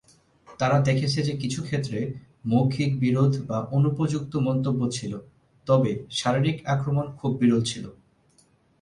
তারা দেখেছে যে কিছু ক্ষেত্রে মৌখিক বিরোধ বা অনুপযুক্ত মন্তব্য ছিল, তবে শারীরিক আক্রমণ খুব বিরল ছিল।